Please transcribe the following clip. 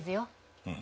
うん。